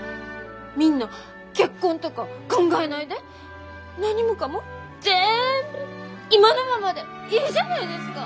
みんな結婚とか考えないで何もかも全部今のままでいいじゃないですか！